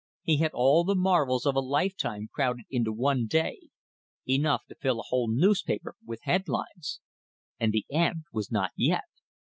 He had all the marvels of a lifetime crowded into one day enough to fill a whole newspaper with headlines! And the end was not yet.